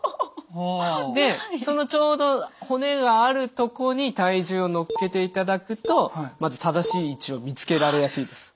でそのちょうど骨があるとこに体重を乗っけていただくとまず正しい位置を見つけられやすいです。